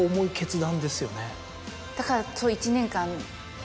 だからそう１年間。